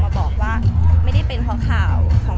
แม็กซ์ก็คือหนักที่สุดในชีวิตเลยจริง